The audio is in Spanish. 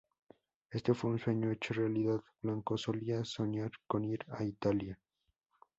Este fue un sueño hecho realidad; Bianco solía soñar con ir a Italia.